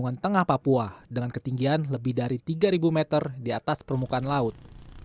ketika kebukaan laut kebukaan laut terletak di tengah papua dengan ketinggian lebih dari tiga meter di atas permukaan laut